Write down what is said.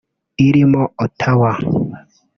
irimo Ottawa